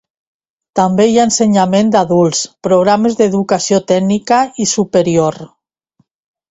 També hi ha ensenyament d'adults, programes d'educació tècnica i superior.